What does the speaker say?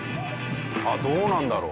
どうなんだろう？